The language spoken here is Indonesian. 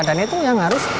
dan itu yang harus